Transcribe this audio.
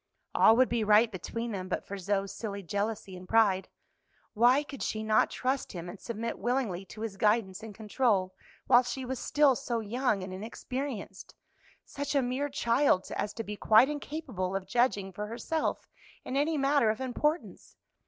"All would be right between them but for Zoe's silly jealousy and pride. Why could she not trust him and submit willingly to his guidance and control while she was still so young and inexperienced such a mere child as to be quite incapable of judging for herself in any matter of importance?